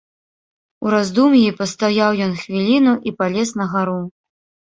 У раздум'і пастаяў ён хвіліну і палез на гару.